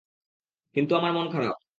কিন্তু আমার মন খারাপ।